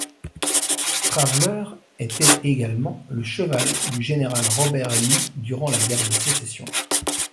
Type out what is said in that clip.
Traveller était également le cheval du Général Robert Lee durant la guerre de Sécession.